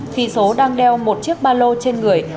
khi số đang đeo một chiếc ba lô trên người